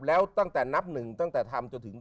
แล้วตั้งแต่นับหนึ่งตั้งแต่ทำจนถึง